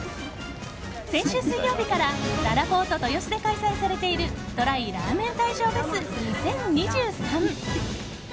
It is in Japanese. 先週水曜日からららぽーと豊洲で開催されているＴＲＹラーメン大賞フェス２０２３。